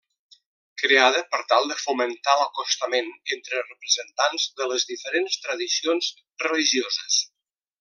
Creada per tal de fomentar l'acostament entre representants de les diferents tradicions religioses.